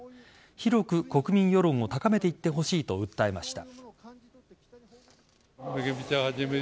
広く国民世論を高めていってほしいと訴えました。